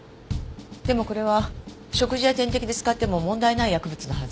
でもこれは食事や点滴で使っても問題ない薬物のはず。